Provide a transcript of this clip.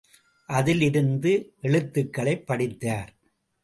அதில் இருந்த எழுத்துகளைப் படித்தார்.